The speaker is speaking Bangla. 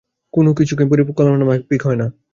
কোনোকিছুই পরিকল্পনামাফিক হয় না।